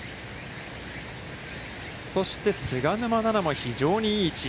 そして菅沼菜々も、非常にいい位置。